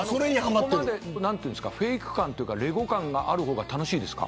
フェイク感というかレゴ感がある方が楽しいんですか。